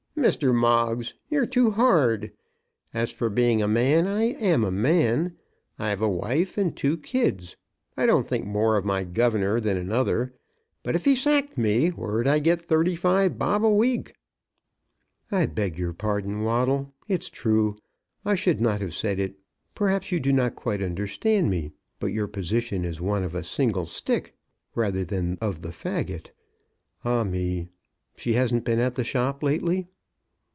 "Mr. Moggs, you're too hard. As for being a man, I am a man. I've a wife and two kids. I don't think more of my governor than another; but if he sacked me, where 'd I get thirty five bob a week?" "I beg your pardon, Waddle; it's true. I should not have said it. Perhaps you do not quite understand me, but your position is one of a single stick, rather than of the faggot. Ah me! She hasn't been at the shop lately?"